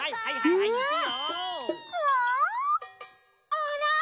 あら？